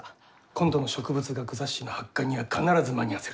今度の植物学雑誌の発刊には必ず間に合わせると。